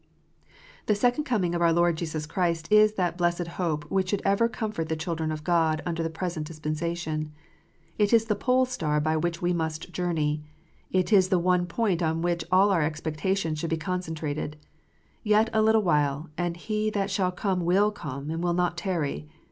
The second coming of our Lord Jesus Christ is that blessed hope which should ever comfort the children of God under the present dispensation. It is the pole star by which we must journey. It is the one point on which all our expectations should be concentrated. " Yet a little while, and He that shall come will come, and will not tarry."